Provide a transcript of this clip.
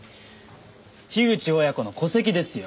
樋口親子の戸籍ですよ。